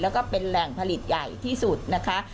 แล้วก็เป็นแหล่งผลิตใหญ่ที่สุดนะคะ